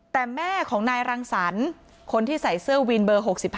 แต่แม่ของนายรังสรรค์คนที่ใส่เสื้อวินเบอร์๖๕